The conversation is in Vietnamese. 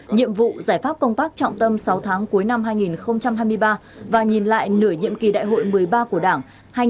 nhiệm vụ giải pháp công tác trọng tâm sáu tháng cuối năm hai nghìn hai mươi ba và nhìn lại nửa nhiệm kỳ đại hội một mươi ba của đảng hai nghìn hai mươi hai nghìn hai mươi năm